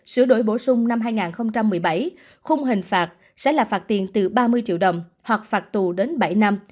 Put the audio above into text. sửa đổi bổ sung năm hai nghìn một mươi bảy khung hình phạt sẽ là phạt tiền từ ba mươi triệu đồng hoặc phạt tù đến bảy năm